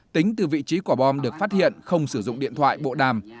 tính từ vị trí quả bom được phát hiện không sử dụng điện thoại bộ đàm